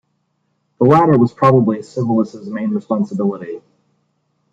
The latter was probably Civilis' main responsibility.